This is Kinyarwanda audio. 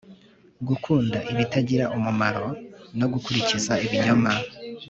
gukunda ibitagira umumaro no gukurikiza ibinyoma